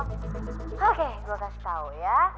oke gue kasih tau ya